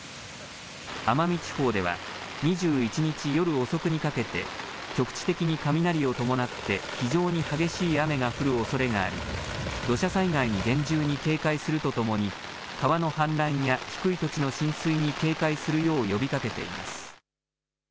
奄美地方では、２１日夜遅くにかけて、局地的に雷を伴って、非常に激しい雨が降るおそれがあり、土砂災害に厳重に警戒するとともに、川の氾濫や低い土地の浸水に警戒するよう呼びかけています。